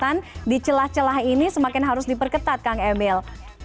karena di celah celah ini semakin harus diperketat kang emil